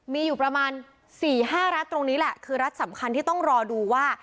มีอยู่ประมาณ๔๕รัฐตรงนี้แหละคือรัฐสำคัญที่ต้องรอดูว่า